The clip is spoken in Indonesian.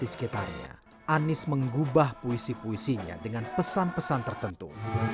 di sekitarnya anies menggubah puisi puisinya dengan pesan pesan tertentu